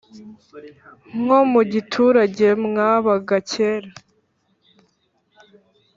nko mu giturage mwabaga kera